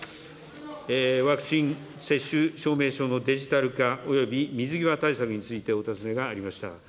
ワクチン接種証明書のデジタル化、および水際対策についてお尋ねがありました。